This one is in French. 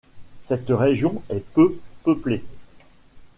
Cette région est peu peuplée.